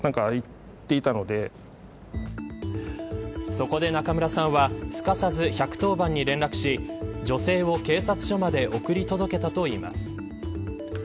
そこで中村さんはすかさず１１０番に連絡し女性を警察署まで送り届けたといいます。